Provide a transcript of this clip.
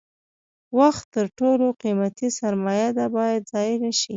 وخت تر ټولو قیمتي سرمایه ده باید ضایع نشي.